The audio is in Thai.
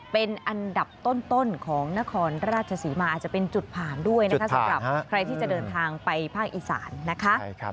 เป็นอันดับต้นของนครราชศรีมาอาจจะเป็นจุดผ่านด้วยนะคะสำหรับใครที่จะเดินทางไปภาคอีสานนะคะ